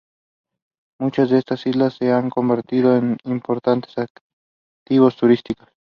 Muchas de estas islas se han convertido en importantes atractivos turísticos.